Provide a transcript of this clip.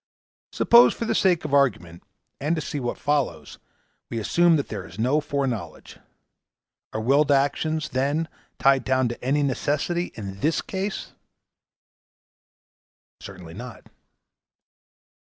Suppose, for the sake of argument, and to see what follows, we assume that there is no foreknowledge. Are willed actions, then, tied down to any necessity in this case?' 'Certainly not.'